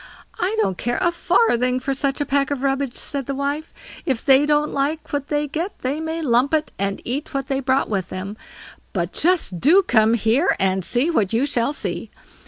"I don't care a farthing for such a pack of rubbish", said the wife; "if they don't like what they get they may lump it, and eat what they brought with them. But just do come here, and see what you shall see!